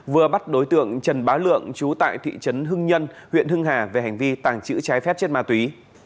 vừa bắt đối tượng trần bá lượng trú tại thị trấn hưng nhân huyện hưng hà về hành vi tàng trữ trái phép chất ma túy